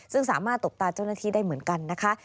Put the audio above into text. ซึ่งสามารถตบตาเจ้าหน้าที่ได้เหมือนกันนะคะ